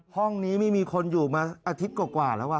ห้องนี้ไม่มีคนอยู่มาอาทิตย์กว่าแล้ว